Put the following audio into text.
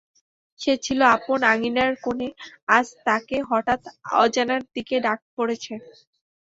সে ছিল আপন আঙিনার কোণে, আজ তাকে হঠাৎ অজানার দিকে ডাক পড়েছে।